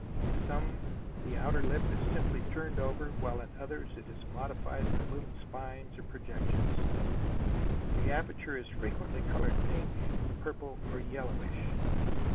In some the outer lip is simply turned over while in others it is modified by little spines or projections. The aperture is frequently colored pink, purple or yellowish.